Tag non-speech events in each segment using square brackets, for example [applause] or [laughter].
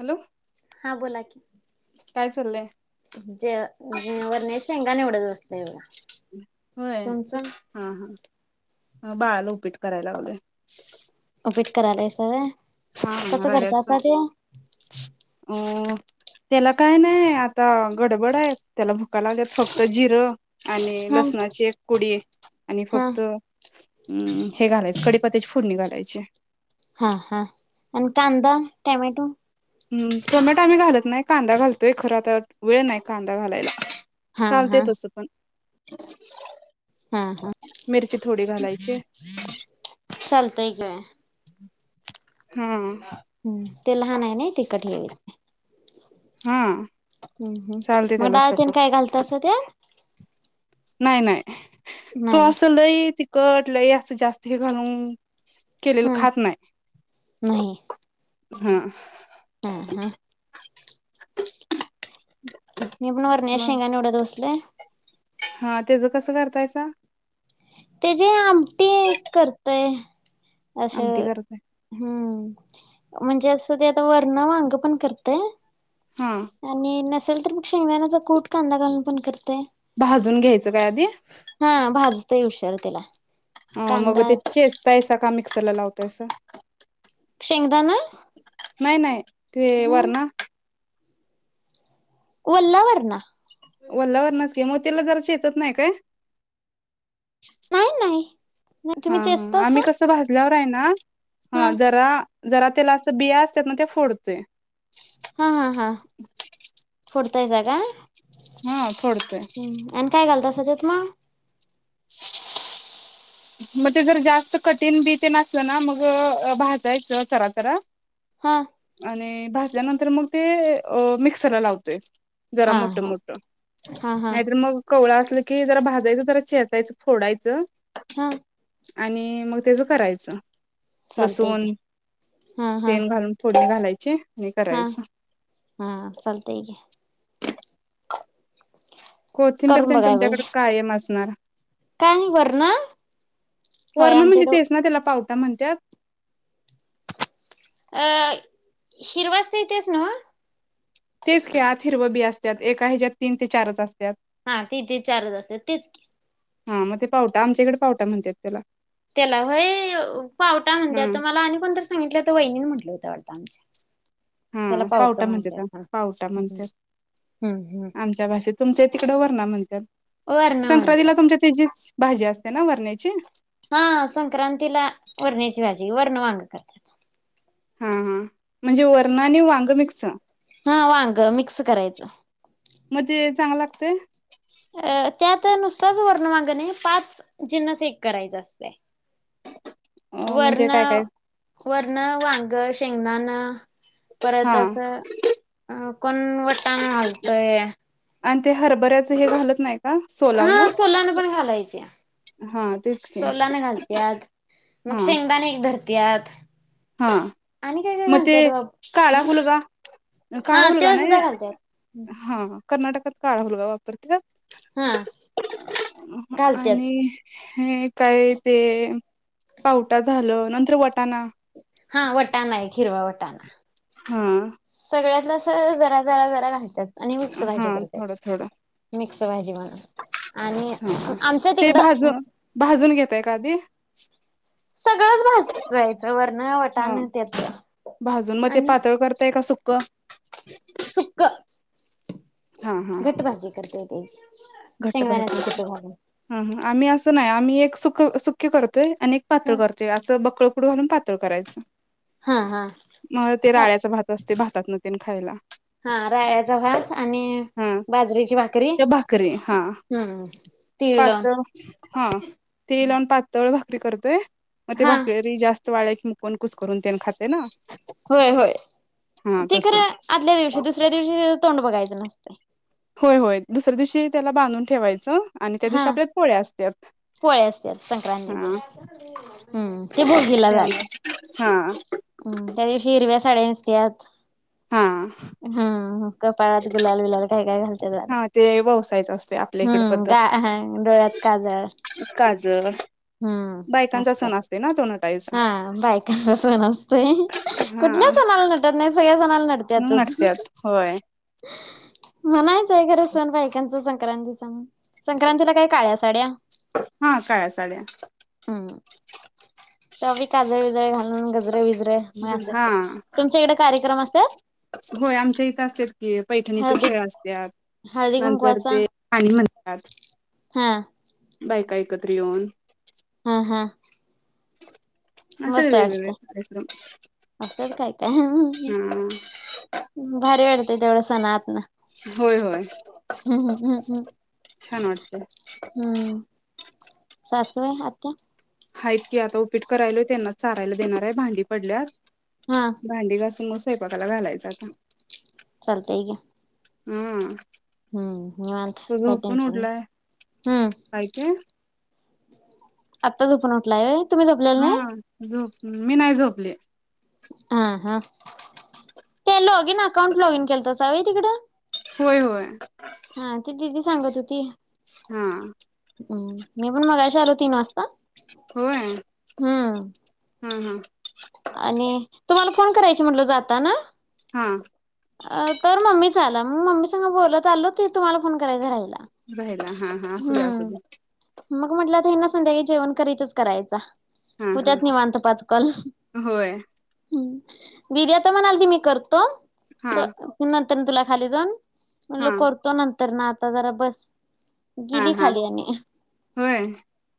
Hello हा बोला काय चाललंय [inaudible] जे वरण्याची शेंगा निवडत होते बसलोय बगा [unintelligible] होय हा हा ह बाळाला उपीट करायला लागलेय उपीट करायला आहे सर [unintelligible] हा रव्याचे हा त्याला काय नाही आता गडबड आहे त्याला भुका लागल्यात फक्त जिरं आणि हा लसणाची एक कुधियें आणि हा फक्त हम् हे घालायचं कडेपत्याची फोडनि घालायची हा हा आणि कांदा टमॅटो हम् टोमॅटो आम्ही घालत नाही कांदा घालतोय खर आता वेळ नाही कांदा घालायला हा चालते हा तसं पण हा हा, मिरची थोडी घालायची चालतंय की- हम्म. हम्म, तो लहान आहे- नाही तिकट हे हा हम हम् चालते मग त्याला डळातन सपक काय घालतअस त- नाही नाही. तो नाही अस लइ ति - तो [unintelligible] जास्ती [unintelligible] केलेलं हा खात नाही. हा. ह ह. मग [unintelligible] हा, त्याचं कसं करतायसा? ते जे आमटी- करतय- अशं आमटी करताय हम्म [unintelligible] म्हणजे असं ते आता वरन [unintelligible] करतो हा - आणि नस [unintelligible] शेंगदाण्याचा कूट कांदा घालून- पण कर- भाजून घ्यायचं काय आधी? ते हुशार त्याला अ मग कांदा ते चेचतायसा का नई - कशाला लावतयसा. शेंगदाणा नाही नाही ते ह वरना कोल्हावरना. ओल्लावरना म त्याला जरासं चेचत नाय काय? नाही नाही. नाही हा तुम्ही हा चेचतासा आम्ही कस भाजल्यावर काय ना- हा जरा- जरा त्याला असं बिया असतात ना ते फोडतोय. हा हा हा फोडत- तस का? हा फोडतोय हम्म आणि काय घालता सग - मंग? मग ते जर जास्त कठीण बी न ते असलं ना मग भाजयचं सरासरा- हा आणि भाजल्यानंतर मग ते अ मिक्सरला लावतोय जरा हा मोठ हा मोठ हा हा नाहीतर मग कवळा की जरा भाजायचं ज चेचायचं फोडायचं हा. आणि मग त्याच करायचं. चालतय की लसूण हा हा तेल घालून फोडणी घालाय ची. हा हा चालतय की. कोथिंबीर ते न तुमच्याकड कायम असणार. काही बर ना होय आमचे डो आता म्हणत्यात. अ हिरवाच देतेस नव्ह. तेच आत हिरव बी असत्यात एका ह्याच्यात तीन ते चारच असत्यात. हा ती ते चारच असत्यात तेच हा मग ते पावटा आमच्याकडे पावटा म्हणत्यात त्याला. त्याला व्हय पावटा हा म्हणते आता मला आणि कोणत सांगितलं तर व नी म्हंटलं होत वाटतं आमच्या. हा त्याला पावट पावटा म्हणजे म्हणत्यात हा. पावटा हम्म म्हणत्यात हम्म. आमच्या भाषेत तुमचे तिकडं वरणा म्हणत्यात. वरण संक्रांतीला म्हणत्यात तुमच्या तेजीच भाजी असते ना वरण्याची. हा संक्रांतीला वरण्याची भाजी वर्ण वांग करतात. हा म्हणजे वर्ण आणि वांग मिक्स हा वांग मिक्स करायचं. म ते चांगल लागतय. अ त्यात नुसतच वर्णवांग नाय पाच जिन्नस एक करायच असतय. अ म्हणजे काय काय? वरण वांग शेंगदाणं परत हा असं अं कोण वटाण घालतय अण ते हरभऱ्याच हे घालत नाय हा सोलान पण घालायचे हा तेच की सोलान घालत्यात मग हा शेंगदाणे एक धर त्यात. हा म ते बाप काळा हम् हुलगा काळा हा हुलगा तेळ नाय सुद्धा घालत्यात हा कर्नाटकात काळा हुलगा वापरत्यात. हा घालत्यात. हम्म. काय ते. पावटा झालं नंतर वटाना. हा वटाणा आय हिरवा वटाणा. हा. सगळ्यातल अस जरा जरा जरा घालत्यात. आणि मिक्स हा भाजी थोडं करत्यात थोडं मी सया जिवन. आणि हा आमच्या तिकडं एकादी सगळंच भाजायचं वरण हा वटाण त्यात भाजून मग ते आणि पातळ करताय का सुक्क सुक हा हा घट भाजी करते. तेच. घट्ट बाहयच अह आम्ही असं नाय आम्ही एक. सुख सुखी करत होय आणि एक पातळ करतोय अस बकळ. पुढं घालून पातळ करायचं. हा हा मग ते राळ्याचा भात असते भातात न तेन खायला हा राळचा भात आणि हा बाजरीची भाकरी, त्या भाकरी हा हम्म तीळ लावून पातळ तीळ लावून पातळ भाकरी करतोय. म हा बाकरी जास्त वाळ्या क मुक्त कोणकुस करून तेन खाते ना, होय होय हा तेी तसं खरं आदल्या दिवशी दुसऱ्या दिवशी तोंड बघायचं न होय होय दुसऱ्या दिवशी त्याला बांधून ठेवायचं. आणि त्या दिवशी आपल्यात पोळे्या असतात. पोळे असत संक्रांतीच्या हम्म ते भोगीला झालं त्यामुळे हा हम् त्या हिरव्या साडे्यांनसतयाात हा हा कपाळात गुलाल बिलाल घालतेले हा ते ववसायचं असते आपल्या इकडे हम्म गा डोळ्यात काजळ काज हम्म बायकांचा असं सण करत्यात असतो ना तो. नटायचा हा बायकांचा सण असतय, कुठल्या हा सणाला नटत नाही, सगळ्या सणाला नटतेतच नटत्यात होय म्हणायच घर सण बाईकांच संक्रांती सून संक्रांतीला काय काळ्या साड्या हा काय चाले, तरभ काल घा गजरे बिज अर मग अस हा तुमच्या इकडे कार्यक्रम असत. होय आमच्या इथं असतात पैठणीचे खेळ असतात हळदी नंतर कुंकवाचा ते पाणी म्हणतात हा बाय कायऐकत्र येऊन हा हा हो मस्त वाटते असतत काय काय हा भारी वाटतेय तेवढं सण आत ना होय होय हम्् हम्म हम् छान वाटतंय हम्म स आहे आ आहेत की आता उपीट करायल त्यांना चारायला देणार आहे. भांडी पडल्या हा भांडी घासूनत स्वयपाकाला घालायचं आता चलत आहे. हम्म हम्म निव अंत काय टेनशन उठलाय हम्म काय ते आत्ता झोपण उठलाय तुम्ही झोपलेला हा नाही जो मी नाही झोपली हा हा ते लोगिन अकाउंट लोगिन केल त सवई तिकडं होय होय हा ते दिदी सांगत होती हा हम् मी पण मगाशी आलो तीन वाजता हो हमम आणि तुम्हाला कोण करायचे म्हटल जाता ना हा तर मम्मीच आला मग मम्मी सां बोलत आलो ते तुम्हाला फोन करायचा राहिला ब हम्म मग म्हटलं ना संध्याकाळी जेवण करीतच करायच हा हो हा त्यात नाही मानत पाचकाल होय. ह विर्यात म्हणाल ती मी करतो हा तर ह तुला खाली जाऊन म्हण हा लो कोतो नंत तर ना आता जरा बस हा गिली हा खाली आणि आणि होय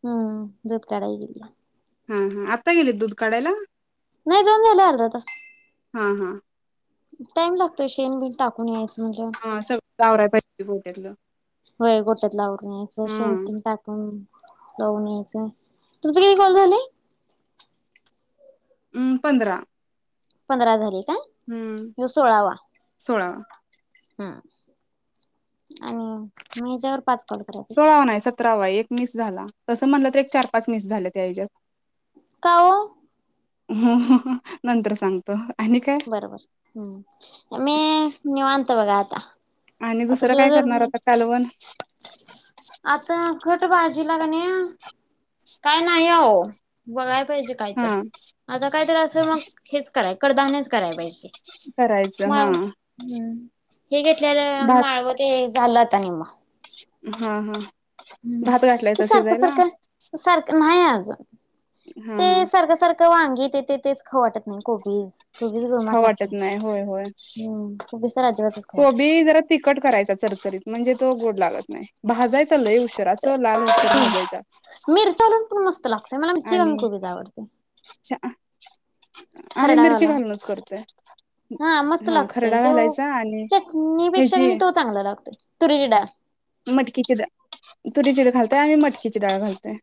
हम्म दूध काढाय गेल्या हा हा आता गेल दु काढायला नाही जाऊन झालं अर्धा तास हा हा टाइम लागतोय शेण बी टाकून यायच हा सगळ गावराय पाहिजे गोट्यातलं वय गोटेतलावर नाहीच शेण तन हम्म टाकून जाऊन यायचं तुमचं कती कॉल झालंय हम्म पंधरा पंधरा झाली हम्म सोळावा हा पाहिजे सोळावा नाही सतरावा आहे एक मिस झाला तस म्हणलं तेच चार पाच मिस झाले त्या याच्यात कावो अहमम नंतर सांगतो हह बरोबर हम्म आमी निवांत. ते बघा आता आणि आता दुसरं काय दिवसभर करणार फिरून आता कालवण आता भाजी लागणे काय नाही हो बघाय पाहिजे जे काय तर हा आता कारायच मग हेच करायच. कडधान्य कराय पाहिजे. करायचं माळ हा हम्म हे घेतलेलं भात माळव ते झालं. काय म हा हा हम्म भात ते घातलायचा सारखं शिजायला सारखं सारखं नाही आत हा जा हा हा ते वांगीते तेच खाऊ वाटत नाही काही खाऊ वाटत नाही होय होय हम्म कोबीज तर अजिबातच खाऊ वाटत कोबी जरा तिखट करायचा चरचरीत म्हणजे ते गोड लागत नाही. भाजायच लय उशीर होईल असं लाल होईस तोवर नाही भाजायचा मिरची घालून पण मस्त लागतोय मला मिरची आणि घालून कोबीज आवडते आणि मिर हा हा मस्त लागतय खरडा तो घालायचा आणि चटणीपेक्षा ह्याची तो चांगला लागतोय तुरीची डाळ. मटकीचे डाळ तुरीची डाळ घालते आणि मटकीची डाळ घालते.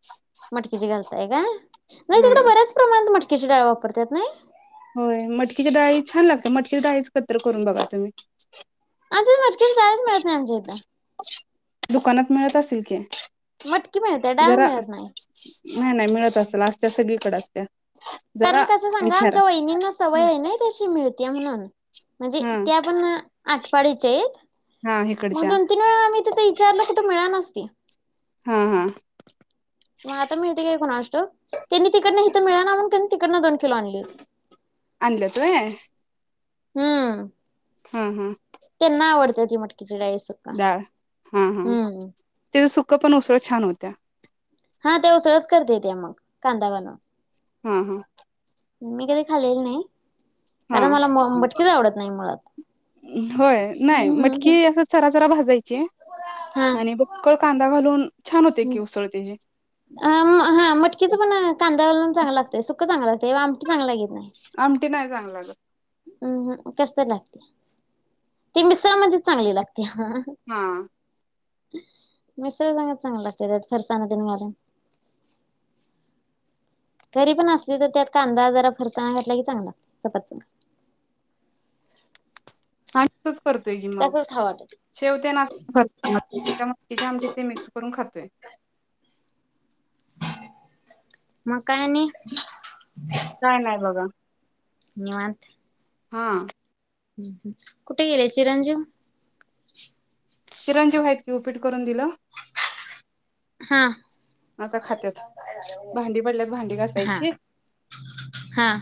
मटकीची घालताय का नाही हा तिकड बऱ्याच प्रमाणात मटकी. किती डाळ वापरतात नाही. होय मटकीच्या डाळी छान लागते मटकीच्या डाळीच काहीतरी करून बघा तुम्ही. आमच्या कडे मटकीेची डाळच मिळत नाही आमच्या इथं. दुकानात मिळत असल की. मटकी मिळते डाळ जरा मिळत नाही. नाही नाही मिळत असत ला असत सगळीकडेच असते. जरा विचारा. बहिणींना सवय आहे ना तशी मिळते म्हणून. म्हणजे हा त्या पण वेळा आठ. पढे चेयित. हा मग इकडच्या दोन तीन वेळा आम्ही तिथ विचारलं कुठे मिळा नसती. हा हा. मग आता मिळते काय कोणा असतो त्यांनी तिकडनं हे तर मिळ नाण तिकडन दोन. किलो आणली होती. आणलं तय. हम्म! हा! हा! त्यांना आवडते ती म्हट. डाळ हा हा हम्म. ते सु. पण सळ्या छान होत्या. हा ते उसळच करतेेते मग कांदा घालून. हा हा मी कधी खालेल नाही. हा कारण मला मटकीच आवडत नाही मुळात. होय नाही, मटकी अस. भाजय. आणि भक्कळ कांदा घालून छान होते हा. की उसळतेचे. अ हा मटकीच तेव आमटी चांगला गेल. [unintelligible] हम् कस लागते ती मिसळमध्ये चांगली लागते. ते हा. हा म सळ सांगत चांगलं असगते त्यात फरसाना दिन घालून. घरी पण असली तर त्यात कांदा जरा फरसाणा घातला की चांगला चपात. आणि. करतोय की मग, शेवते ना म आम ते मिक्स करून खातोय. मकायनी काय नाही बघा, याात हा हम् ह कुठे गेले चिरंजु किरणजीव आहेत की पीट करून दिलं हा आता खात्यात भांडी पडल्यात भांडी हा घासायची हा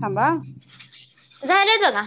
थांबा. झालंय बघा.